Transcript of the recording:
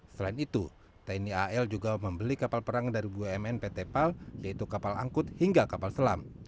selain itu tni al juga membeli kapal perang dari bumn pt pal yaitu kapal angkut hingga kapal selam